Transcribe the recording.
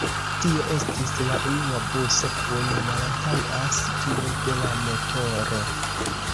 Tio estis la unua buso kun malantaŭa situo de la motoro.